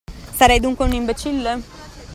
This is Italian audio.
Sarei dunque un imbecille?